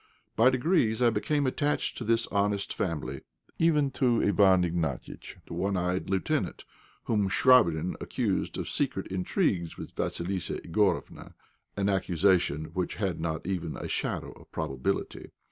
By degrees I became attached to this honest family, even to Iwán Ignatiitch, the one eyed lieutenant, whom Chvabrine accused of secret intrigue with Vassilissa Igorofna, an accusation which had not even a shadow of probability.